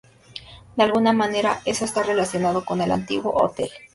De alguna manera eso está relacionado con el antiguo hotel.